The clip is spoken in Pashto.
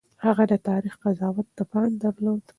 هغه د تاريخ قضاوت ته پام درلود.